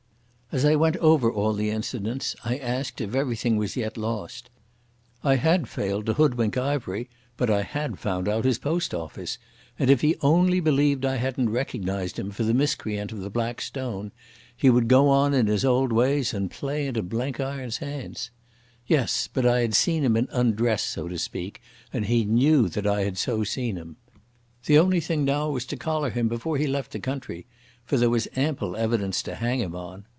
As I went over all the incidents, I asked if everything was yet lost. I had failed to hoodwink Ivery, but I had found out his post office, and if he only believed I hadn't recognised him for the miscreant of the Black Stone he would go on in his old ways and play into Blenkiron's hands. Yes, but I had seen him in undress, so to speak, and he knew that I had so seen him. The only thing now was to collar him before he left the country, for there was ample evidence to hang him on.